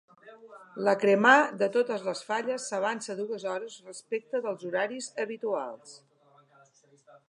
La cremà de totes les falles s’avança dues hores respecte dels horaris habituals.